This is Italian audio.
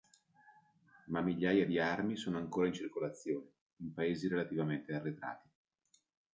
Ma migliaia di armi sono ancora in circolazione, in paesi relativamente arretrati.